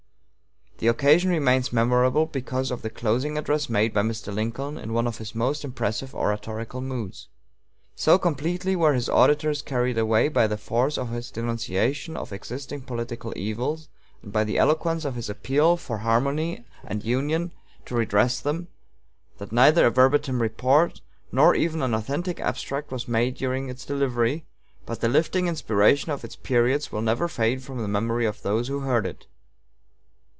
The occasion remains memorable because of the closing address made by Mr. Lincoln in one of his most impressive oratorical moods. So completely were his auditors carried away by the force of his denunciation of existing political evils, and by the eloquence of his appeal for harmony and union to redress them, that neither a verbatim report nor even an authentic abstract was made during its delivery: but the lifting inspiration of its periods will never fade from the memory of those who heard it.